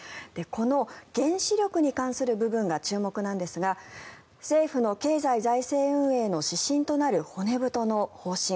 この原子力に関する部分が注目なんですが政府の経済財政運営の指針となる骨太の方針。